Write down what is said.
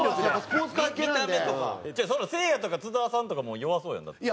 せいやとか津田さんとかも弱そうやんだって。